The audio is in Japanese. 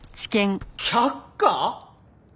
却下！？